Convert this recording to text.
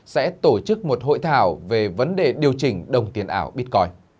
sẽ tổ chức một hội thảo về vấn đề điều chỉnh đồng tiền ảo bitcoin